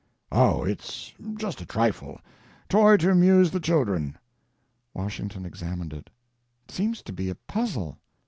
"Oh, it's just a trifle. Toy to amuse the children." Washington examined it. "It seems to be a puzzle."